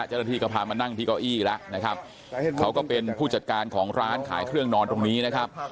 เจ้าหน้าที่ก็พามานั่งที่เก้าอี้แล้วนะครับเขาก็เป็นผู้จัดการของร้านขายเครื่องนอนตรงนี้นะครับ